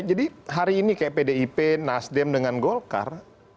jadi hari ini kayak pdip nasdem dengan golkar